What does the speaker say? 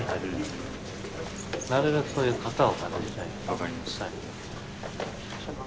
分かりました。